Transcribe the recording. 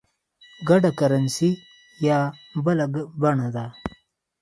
ګډه کرنسي یا Currency Union بله بڼه ده.